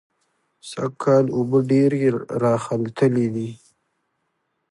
سږکال اوبه ډېرې راخلتلې دي.